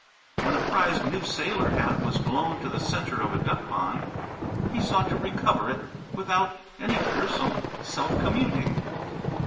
When a prized new sailor hat was blown to the centre of a duck pond he sought to recover it without any fearsome self communing.